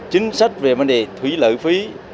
chính sách về vấn đề thủy lợi phí